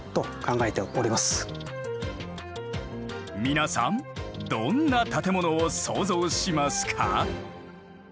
皆さんどんな建物を想像しますか？